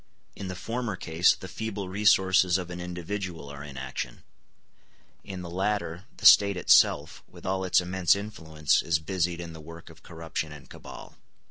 In the former case the feeble resources of an individual are in action; in the latter, the State itself, with all its immense influence, is busied in the work of corruption and cabal.